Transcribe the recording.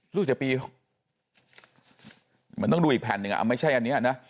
ลูกจะปีมันต้องดูอีกแผ่นหนึ่งอ่ะไม่ใช่อันนี้นะ